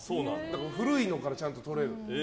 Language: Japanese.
古いのから、ちゃんととれる。